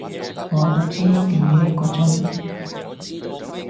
我搭車一定要一個鐘